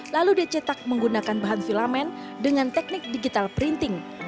lalu dicetak menggunakan bahan filament dengan teknik digital printing